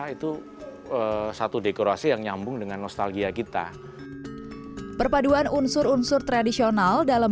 itu satu dekorasi yang nyambung dengan nostalgia kita perpaduan unsur unsur tradisional dalam